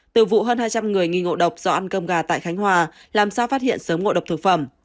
từ vụ hơn hai trăm linh người nghi ngộ độc do ăn cơm gà tại khánh hòa làm sao phát hiện sớm ngộ độc thực phẩm